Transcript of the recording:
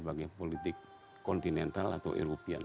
sebagai politik kontinental atau eropian